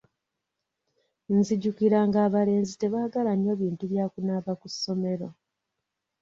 Nzijukira nga abalenzi tebaagala nnyo bintu bya kunaaba ku ssomero.